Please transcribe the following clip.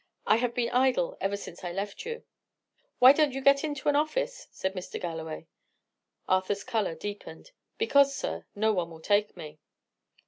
I have been idle ever since I left you." "Why don't you get into an office?" said Mr. Galloway. Arthur's colour deepened. "Because, sir, no one will take me."